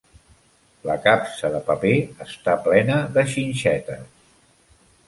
La capsa de paper està plena de xinxetes.